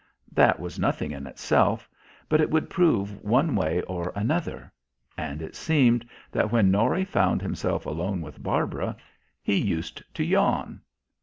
That was nothing in itself; but it would prove one way or another; and it seemed that when Norry found himself alone with Barbara, he used to yawn.